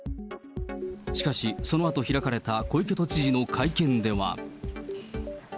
しかし、そのあと開かれた小池都知事の会見では。